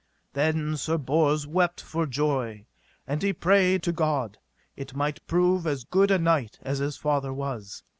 Then Sir Bors wept for joy, and he prayed to God it might prove as good a knight as his father was.